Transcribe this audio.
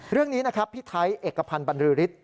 เรื่องนี้นะครับพี่ไทยเอกพันธ์บรรลือฤทธิ